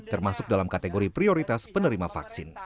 termasuk dalam kategori prioritas penerima vaksin